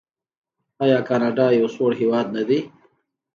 آیا کاناډا یو سوړ هیواد نه دی؟